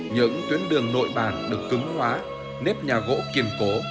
những tuyến đường nội bản được cứng hóa nếp nhà gỗ kiên cố